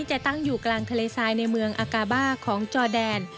จะตั้งอยู่กลางทะเลทรายในเมืองอากาบ้าของจอแดน